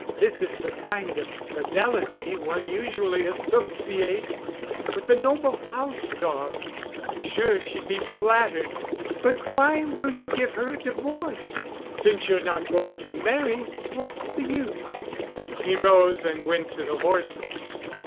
This is the kind of fidelity one usually associates with the noble house dog. I'm sure she'd be flattered. But why will you give her a divorce? Since you're not going to marry—what's the use?" He rose and went to the horses.